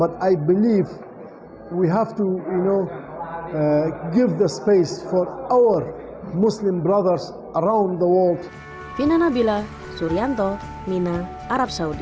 tapi saya percaya kita harus memberikan ruang untuk muslim kita di seluruh dunia